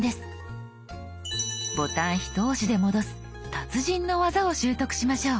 ボタンひと押しで戻す達人の技を習得しましょう。